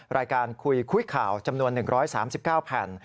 รายการคุยคุยข่าวจำนวน๑๓๙แผ่น